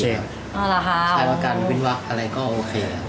ใช้วินวักอะไรก็โอเค